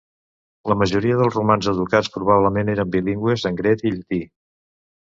La majoria dels romans educats probablement eren bilingües en grec i llatí.